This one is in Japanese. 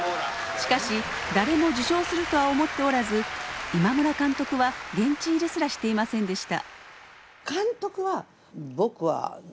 しかし誰も受賞するとは思っておらず今村監督は現地入りすらしていませんでした。